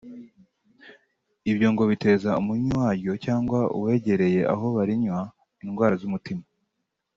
Ibyo ngo biteza umunywi waryo cyangwa uwegereye aho barinywa indwara z’umutima